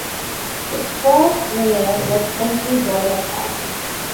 Its first mayor was Henri Bourassa.